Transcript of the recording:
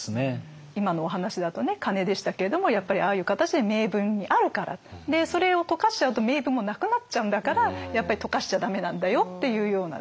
今のお話だと鐘でしたけれどもやっぱりああいう形で銘文にあるからそれを溶かしちゃうと銘文もなくなっちゃうんだからやっぱり溶かしちゃ駄目なんだよっていうようなですね